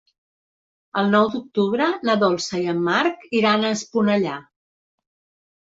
El nou d'octubre na Dolça i en Marc iran a Esponellà.